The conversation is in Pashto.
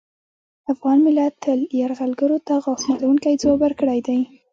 افغان ملت تل یرغلګرو ته غاښ ماتوونکی ځواب ورکړی دی